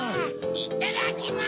・いただきます！